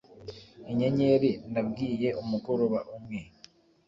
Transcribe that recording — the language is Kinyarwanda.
Inyenyeri nabwiye umugoroba umwe